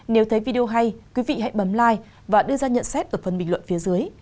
nếu thấy video hay quý vị hãy bấm lai và đưa ra nhận xét ở phần bình luận phía dưới